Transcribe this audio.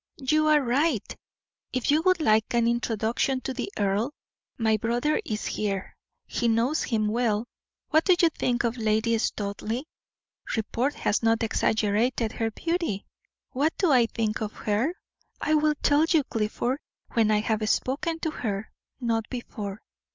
"You are right. If you would like an introduction to the earl, my brother is here; he knows him well. What do you think of Lady Studleigh? Report has not exaggerated her beauty?" "What do I think of her? I will tell you, Clifford, when I have spoken to her, not before."